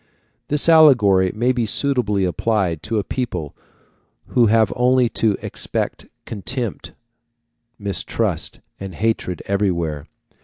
This allegory may be suitably applied to a people who have only to expect contempt, mistrust, and hatred, everywhere.